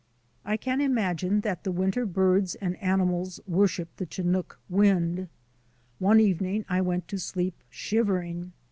I can imagine that the winter birds and animals worship the chinook wind. One evening I went to sleep shivering.